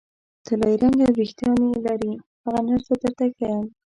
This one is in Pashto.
طلايي رنګه وریښتان لري، هغه نرسه درته ښیم.